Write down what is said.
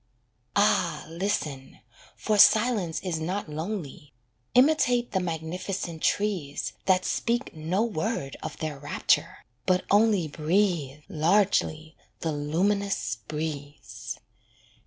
Ah listen, for Silence is not lonely: Imitate the magnificent trees That speak no word of their rapture, but only Breathe largely the luminous breeze.